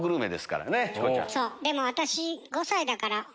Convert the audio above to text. でも私５歳だから。